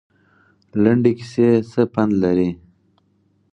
لنډې کیسې څه پند لري؟